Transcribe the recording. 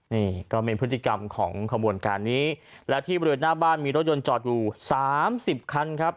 นี่ก็เป็นพฤติกรรมของขบวนการนี้และที่บริเวณหน้าบ้านมีรถยนต์จอดอยู่สามสิบคันครับ